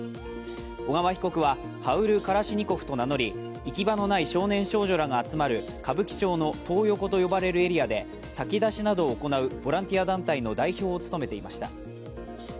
小川被告はハウル・カラシニコフと名乗り行き場のない少年少女らが集まる歌舞伎町のトー横と呼ばれるエリアで炊き出しなどを行うボランティア団体の代表を務めていました。